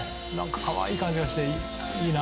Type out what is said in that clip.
可愛い感じがして、いいな。